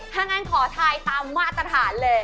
ถ้างั้นขอทายตามมาตรฐานเลย